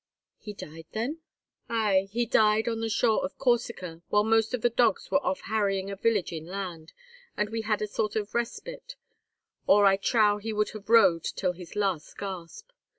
"He died, then?" "Ay—he died on the shore of Corsica, while most of the dogs were off harrying a village inland, and we had a sort of respite, or I trow he would have rowed till his last gasp.